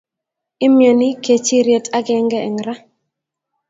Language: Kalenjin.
Imnyani kechiriet akenge eng ra